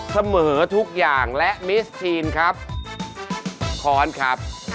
เสมอทุกอย่างและมิสทีนครับค้อนครับ